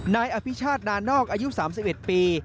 นายอภิชาตินานอกอายุ๓๑ปี